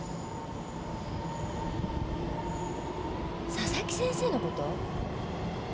佐々木先生の事？